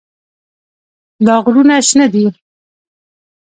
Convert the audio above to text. دا غرونه شنه دي.